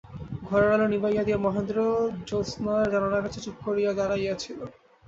ঘরের আলো নিবাইয়া দিয়া মহেন্দ্র জ্যোৎস্নায় জানলার কাছে চুপ করিয়া দাঁড়াইয়া ছিল।